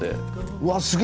うわすげえ！